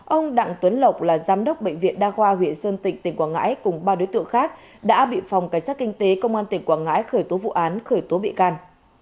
ông đặng tuấn lộc là giám đốc bệnh viện đa khoa huyện sơn tịnh tỉnh quảng ngãi cùng ba đối tượng khác đã bị phòng cảnh sát kinh tế công an tỉnh quảng ngãi khởi tố vụ án khởi tố bị can